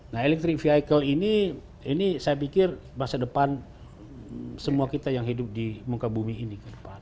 nah electric vehicle ini ini saya pikir masa depan semua kita yang hidup di muka bumi ini ke depan